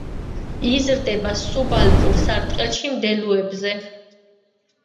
იზრდება სუბალპურ სარტყელში მდელოებზე.